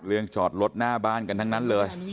จอดรถหน้าบ้านกันทั้งนั้นเลย